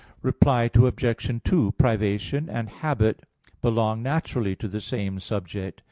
Reply Obj. 2: Privation and habit belong naturally to the same subject.